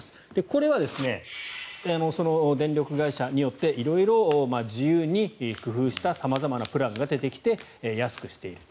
これは電力会社によって色々、自由に工夫した様々なプランが出てきて安くしている。